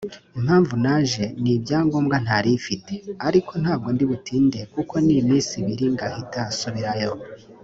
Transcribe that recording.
Impamvu naje ni ibyangombwa ntari mfite ariko ntabwo ndibutinde kuko ni iminsi ibiri ngahita nsubirayo”